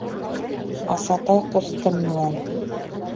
— Асатай ҡустым менән.